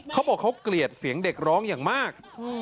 เขาบอกเขาเกลียดเสียงเด็กร้องอย่างมาก